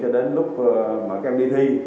đến lúc đi thi